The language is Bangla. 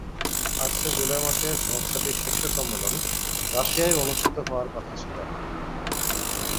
আসছে জুলাই মাসে সংস্থাটির শীর্ষ সম্মেলন রাশিয়ায় অনুষ্ঠিত হওয়ার কথা ছিল।